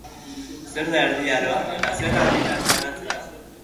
Zer da Erdi Aroa, eta zer alditan banatzen da?